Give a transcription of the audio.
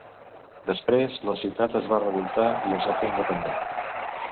Després, la ciutat es va revoltar i es va fer independent.